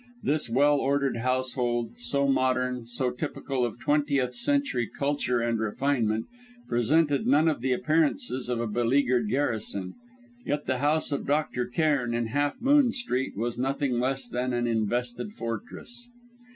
This well ordered household, so modern, so typical of twentieth century culture and refinement, presented none of the appearances of a beleaguered garrison; yet the house of Dr. Cairn in Half Moon Street, was nothing less than an invested fortress.